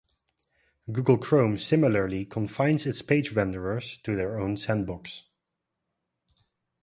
Google Chrome similarly confines its page renderers to their own "sandbox".